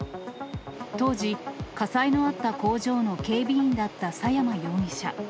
当時、火災のあった工場の警備員だった佐山容疑者。